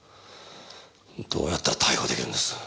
どうやったら逮捕できるんです？